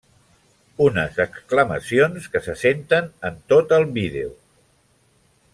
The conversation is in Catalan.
Unes exclamacions que se senten en tot el vídeo.